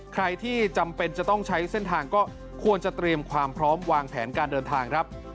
ใครที่จำเป็นจะต้องใช้เส้นทางก็ควรจะเตรียมความพร้อมวางแผนการเดินทางครับ